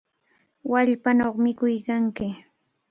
¡Wallpanaw mikuykanki!